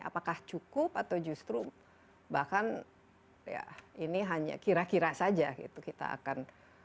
apakah cukup atau justru bahkan ya ini hanya kira kira saja gitu kita akan